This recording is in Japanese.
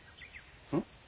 うん？